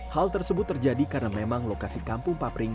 hal tersebut terjadi karena memang lokasi kampung papring